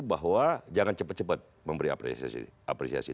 bahwa jangan cepat cepat memberi apresiasi